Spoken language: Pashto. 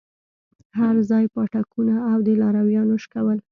هرځاى پاټکونه او د لارويانو شکول.